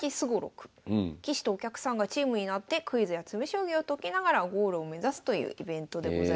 棋士とお客さんがチームになってクイズや詰将棋を解きながらゴールを目指すというイベントでございます。